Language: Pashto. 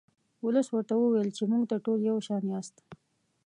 ولس ورته وویل چې موږ ته ټول یو شان یاست.